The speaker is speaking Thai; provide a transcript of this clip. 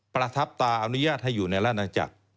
ประทับตาอนุญาตให้อยู่ในราชนาจักร